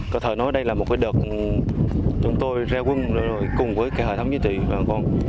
có thể nói đây là một cái đợt chúng tôi reo quân cùng với hệ thống nhiệt tình